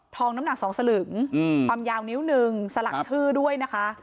ทองน้ำหนัก๒สลึงความยาวหนิว๑สลักชื่อด้วยนะคะ